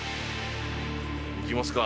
行きますか。